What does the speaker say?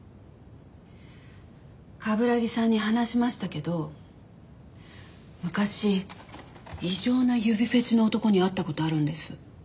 冠城さんに話しましたけど昔異常な指フェチの男に会った事あるんです。